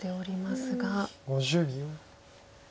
５０秒。